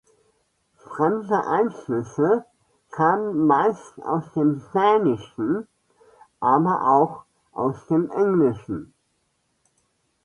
Fremde Einflüsse kamen meist aus dem Dänischen, aber auch aus dem Englischen.